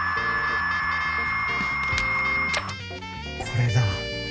これだ。